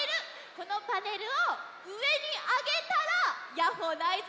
このパネルをうえにあげたら「ヤッホー」のあいずだよ！